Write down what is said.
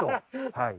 はい。